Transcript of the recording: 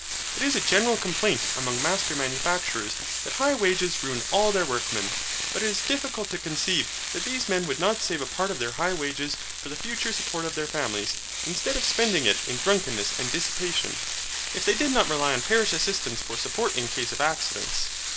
It is a general complaint among master manufacturers that high wages ruin all their workmen, but it is difficult to conceive that these men would not save a part of their high wages for the future support of their families, instead of spending it in drunkenness and dissipation, if they did not rely on parish assistance for support in case of accidents.